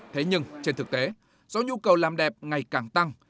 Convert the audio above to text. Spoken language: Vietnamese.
thế nhưng trên thực tế do nhu cầu làm đẹp ngày càng tăng